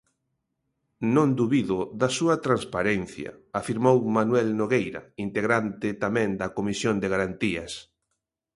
Non dubido da súa transparencia, afirmou Manuel Nogueira, integrante tamén da Comisión de Garantías.